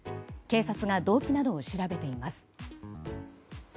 警察が動機などを調べています。